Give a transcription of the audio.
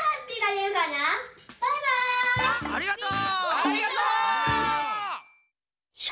ありがとう！